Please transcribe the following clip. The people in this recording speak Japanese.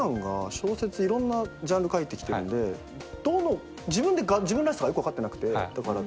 小説いろんなジャンル書いてきてるんでどの自分で自分らしさがよく分かってなくてだから。